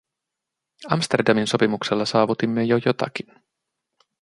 Amsterdamin sopimuksella saavutimme jo jotakin.